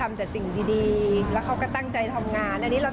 ไม่ประกวดเลยส่งให้คนนี้ต่อเลยค่ะ